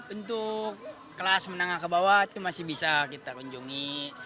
untuk kelas menengah ke bawah itu masih bisa kita kunjungi